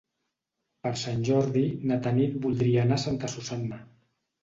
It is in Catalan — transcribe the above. Per Sant Jordi na Tanit voldria anar a Santa Susanna.